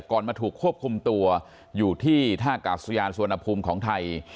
มาถูกควบคุมตัวอยู่ที่ท่ากาศยานสุวรรณภูมิของไทย